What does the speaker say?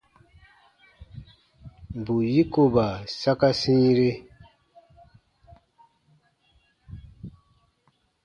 Bù yikoba saka sĩire.